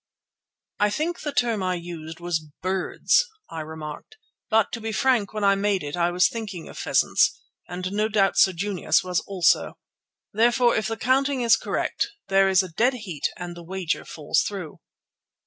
"I think the term used was 'birds,'" I remarked. "But to be frank, when I made it I was thinking of pheasants, as no doubt Sir Junius was also. Therefore, if the counting is correct, there is a dead heat and the wager falls through."